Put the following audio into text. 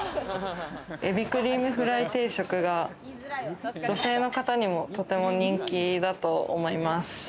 エビクリームフライ定食が女性の方にもとても人気だと思います。